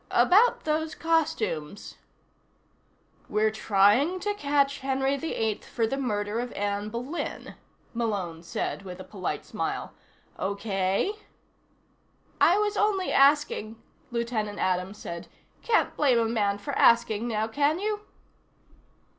"About those costumes " "We're trying to catch Henry VIII for the murder of Anne Boleyn," Malone said with a polite smile. "Okay?" "I was only asking," Lieutenant Adams said. "Can't blame a man for asking, now, can you?"